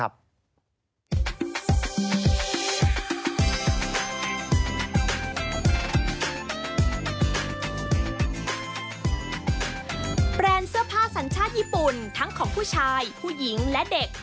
แรนด์เสื้อผ้าสัญชาติญี่ปุ่นทั้งของผู้ชายผู้หญิงและเด็ก